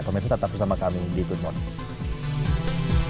pemirsa tetap bersama kami di good morning